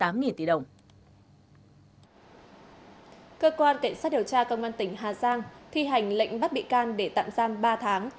cơ quan cảnh sát điều tra công an tỉnh hà giang thi hành lệnh bắt bị can để tạm giam ba tháng